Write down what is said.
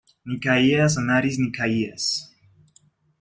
Nikaias and Aris Nikaias.